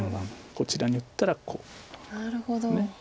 こちらに打ったらこう。